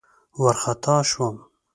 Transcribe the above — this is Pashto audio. وارخطا شوم.